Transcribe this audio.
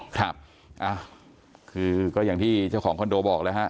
ครับคือก็อย่างที่เจ้าของคอนโดบอกแล้วฮะ